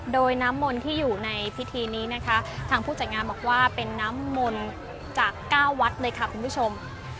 โดยน้ำมนต์ที่อยู่ในพิธีนี้นะคะทางผู้จัดงานบอกว่าเป็นน้ำมนต์จาก๙วัดเลยค่ะคุณผู้ชม